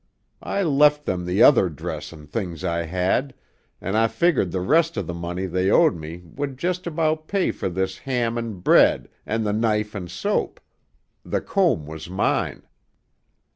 I left them the other dress an' things I had, an' I figgered the rest of the money they owed me would just about pay for this ham an' bread an' the knife an' soap. The comb was mine."